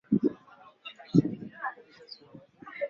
Alihudumu katika Ofisi ya Makamu wa Rais Wizara ya Afya na Ulinzi